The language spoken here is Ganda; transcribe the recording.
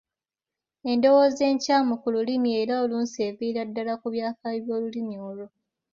Endowooza enkyamu ku lulimi era oluusi eviira ddala ku byafaayo by'olulimi olwo.